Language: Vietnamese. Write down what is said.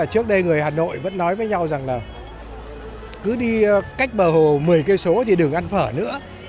hà nội vẫn nói với nhau rằng là cứ đi cách bờ hồ một mươi km thì đừng ăn phở nữa